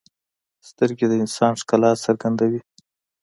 سترګې د انسان ښکلا څرګندوي